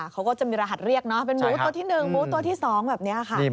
เขาก็จะมีรหัสเรียกเนาะเป็นหมูตัวที่๑หมูตัวที่๒แบบนี้ค่ะ